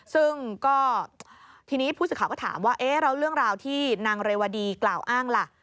ซึ่งก็ทีนี้ผู้สื่อข่าวก็ถามว่าเอ๊ะแล้วเรื่องราวที่นางเรวดีกล่าวอ้างล่ะ